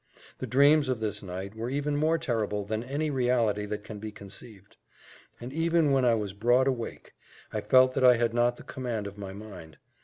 The dreams of this night were more terrible than any reality that can be conceived; and even when I was broad awake, I felt that I had not the command of my mind.